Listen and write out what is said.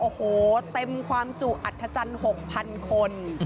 โอ้โหเต็มความจุอัธจันทร์๖๐๐๐คน